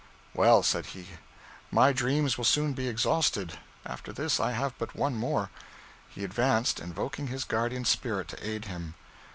'Well,' said he, 'my dreams will soon be exhausted; after this I have but one more.' He advanced, invoking his guardian spirit to aid him.